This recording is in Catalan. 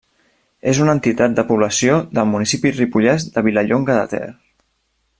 És una entitat de població del municipi ripollès de Vilallonga de Ter.